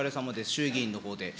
衆議院のほうで。